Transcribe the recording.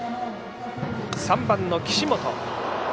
３番の岸本。